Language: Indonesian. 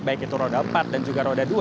baik itu roda empat dan juga roda dua